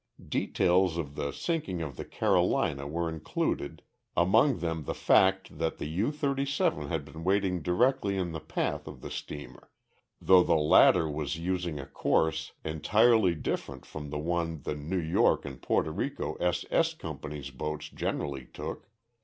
Details of the sinking of the Carolina were included, among them the fact that the U 37 had been waiting directly in the path of the steamer, though the latter was using a course entirely different from the one the New York and Porto Rico S. S. Company's boats generally took.